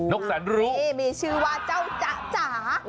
กแสนรู้นี่มีชื่อว่าเจ้าจ๊ะจ๋า